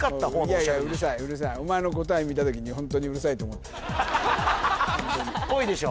いやいやうるさいお前の答え見た時にホントにうるさいと思ったっぽいでしょ？